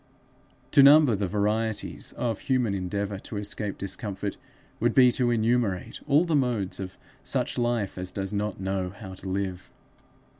To number the varieties of human endeavour to escape discomfort would be to enumerate all the modes of such life as does not know how to live.